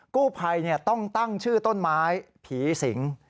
กู้ภัยต้องตั้งชื่อต้นไม้ผีสิง